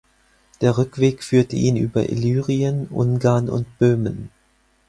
Der Rückweg führte ihn über Illyrien, Ungarn und Böhmen.